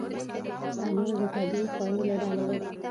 انار د طبیعي خوړو له ډلې دی.